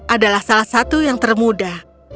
adalah salah satu yang termuda